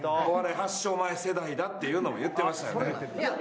お笑い発祥前世代だっていうのも言ってましたよね。